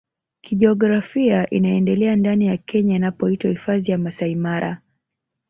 kijiografia inaendelea ndani ya Kenya inapoitwa Hifadhi ya Masai Mara